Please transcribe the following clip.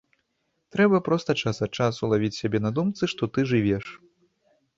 Трэба проста час ад часу лавіць сябе на думцы, што ты жывеш.